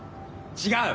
違う？